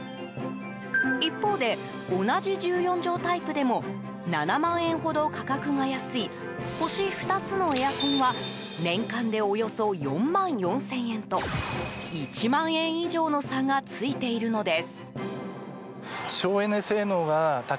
一方で、同じ１４畳タイプでも７万円ほど価格が安い星２つのエアコンは年間でおよそ４万４０００円と１万円以上の差がついているのです。